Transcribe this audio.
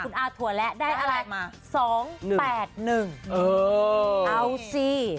คุณอาถั่วแระได้อะไร๒๘๑